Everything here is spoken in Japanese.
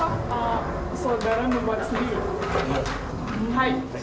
はい。